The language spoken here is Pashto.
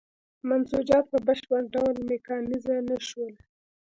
منسوجات په بشپړ ډول میکانیزه نه شول.